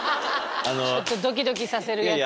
ちょっとドキドキさせるやつ。